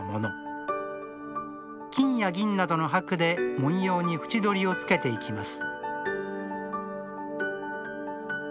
金や銀などの箔で文様に縁取りをつけていきます